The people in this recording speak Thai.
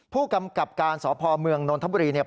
ผู้กำกับการสพเมืองนนทบุรีเนี่ย